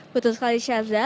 betul sekali syaza